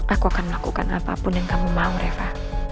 aku akan melakukan apapun yang kamu mau reva